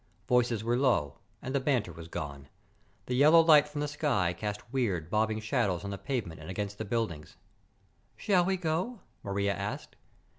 Voices were low, and the banter was gone. The yellow light from the sky cast weird, bobbing shadows on the pavement and against the buildings. "Shall we go?" Maria asked.